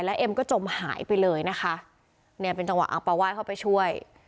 แล้วเอ็มก็จมหายไปเลยนะคะเนี่ยเป็นจังหวะอังปาวาสเข้าไปช่วย